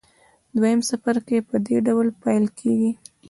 دویم څپرکی په دې ډول پیل کیږي.